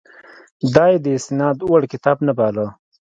دا یې د استناد وړ کتاب نه باله.